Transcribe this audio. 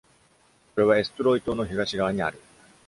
これは、エストゥロイ島の東側にある。